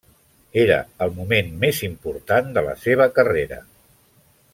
Era el moment més important de la seva carrera.